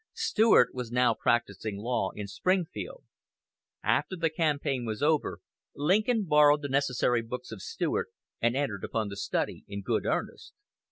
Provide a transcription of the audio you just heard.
Stuart was now practising law in. Springfield. After the campaign was over, Lincoln borrowed the necessary books of Stuart, and entered upon the study in good earnest.